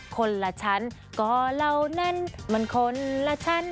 คนละชั้นก็เหล่านั้นมันคนละชั้น